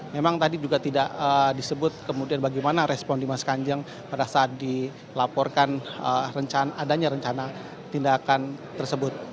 memang tadi juga tidak disebut kemudian bagaimana respon dimas kanjeng pada saat dilaporkan adanya rencana tindakan tersebut